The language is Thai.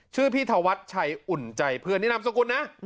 ชื่อพี่ธวัดชัยอุ่นใจเพื่อนนี่นามสกุลนะ